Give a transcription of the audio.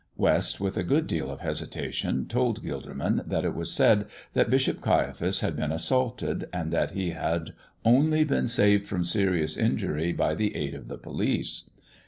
West, with a good deal of hesitation, told Gilderman that it was said that Bishop Caiaphas had been assaulted, and that he had only been saved from serious injury by the aid of the police.